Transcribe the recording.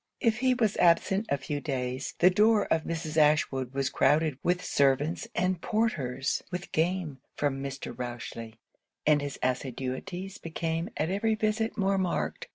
If he was absent a few days, the door of Mrs. Ashwood was crouded with servants and porters with game from Mr. Rochely. And his assiduities became at every visit more marked.